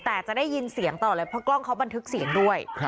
แต่จะได้ยินเสียงตลอดเลยเพราะกล้องเขาบันทึกเสียงด้วย